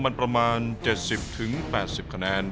มันประมาณ๗๐๘๐คะแนน